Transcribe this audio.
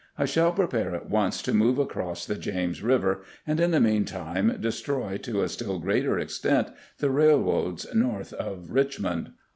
I shall prepare at once to move across the James Eiver, and in the mean time destroy to a still greater extent the railroads north of Richmond."